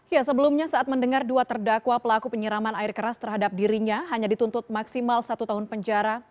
ya sebelumnya saat mendengar dua terdakwa pelaku penyiraman air keras terhadap dirinya hanya dituntut maksimal satu tahun penjara